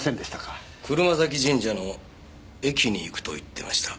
車折神社の駅に行くと言ってました。